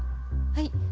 はい。